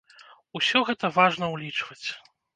Усё гэта важна ўлічваць.